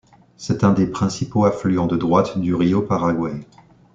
C'est un des principaux affluents de droite du río Paraguay.